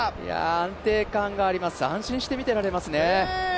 安定感があります、安心して見ていられますね。